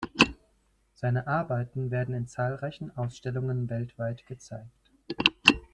Seine Arbeiten werden in zahlreichen Ausstellungen weltweit gezeigt.